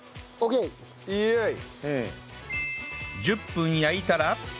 １０分焼いたら